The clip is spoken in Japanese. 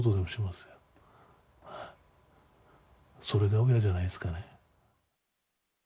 それが親じゃないですかね。